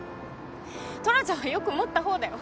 トラちゃんはよく持ったほうだよ。